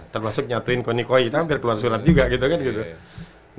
termasuk nyatuin konikoi kita hampir keluar surat juga gitu kan